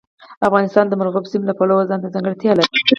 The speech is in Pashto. افغانستان د مورغاب سیند له پلوه ځانته ځانګړتیا لري.